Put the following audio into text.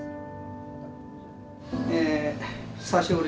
え久しぶり